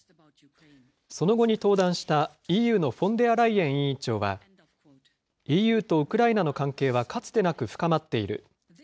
その後に登壇したＥＵのフォンデアライエン委員長は、ＥＵとウクライナの関係はかつてなく深まっている。